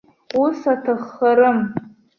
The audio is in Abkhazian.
Ус аҭаххарым.